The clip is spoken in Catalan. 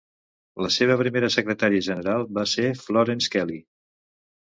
La seva primera secretària general va ser Florence Kelley.